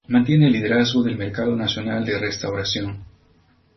Mantiene el liderazgo del mercado nacional de restauración.